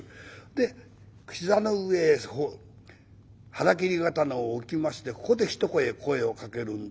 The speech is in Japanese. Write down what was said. で膝の上へ腹切り刀を置きましてここで一声声をかけるんですが。